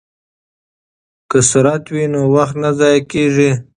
که سرعت وي نو وخت نه ضایع کیږي.